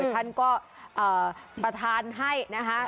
ท่านก็ประธานให้นะคะ